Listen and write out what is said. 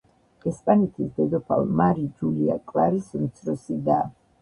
ესპანეთის დედოფალ მარი ჯულია კლარის უმცროსი და.